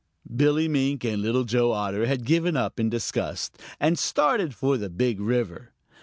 Billy Mink and Little Joe Otter had given up in disgust and started for the Big River.